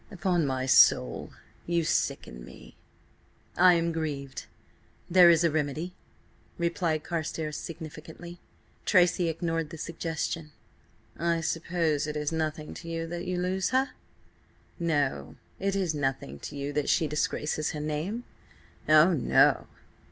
"Upon my soul, you sicken me! "I am grieved. There is a remedy," replied Carstares significantly. Tracy ignored the suggestion. "I suppose it is nothing to you that you lose her? No; It is nothing to you that she disgraces her name? Oh, no!"